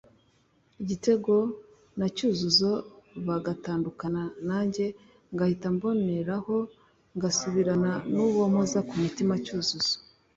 Igitego na Cyuzuzo bagatandukana nanjye ngahita mboneraho ngasubirana n’uwo mpoza ku mutima Cyuzuzo